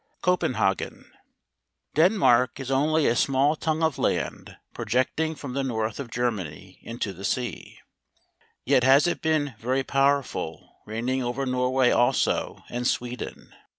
Copenhagen . Denmark is only a small tongue of land pro DENMARK. 77 jecting from the north of Germany into the sea. Yet has it been very powerful, reigning over Norway also, and Sweden.